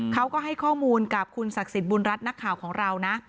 เขาก็ให้ข้อมูลกับคุณศักดิ์สิทธิบุญรัฐนักข่าวของเรานะ